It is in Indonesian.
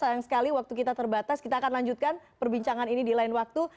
sayang sekali waktu kita terbatas kita akan lanjutkan perbincangan ini di lain waktu